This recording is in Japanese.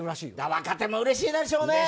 若手もうれしいでしょうね